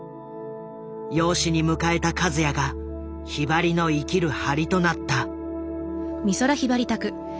養子に迎えた和也がひばりの生きる張りとなった。